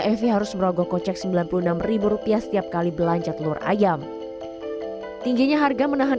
evi harus merogoh kocek sembilan puluh enam rupiah setiap kali belanja telur ayam tingginya harga menahan